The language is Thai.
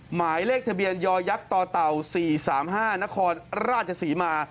หมายเลขทะเบียนยอยักษ์ต่อเต่า๔๓๕นครราชศรีมา